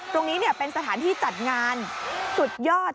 ตรงนี้เป็นสถานที่จัดงานสุดยอด